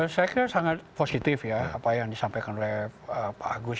saya kira sangat positif ya apa yang disampaikan oleh pak agus